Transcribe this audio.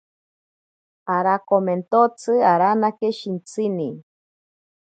Arakomentotsi aranake shintsini.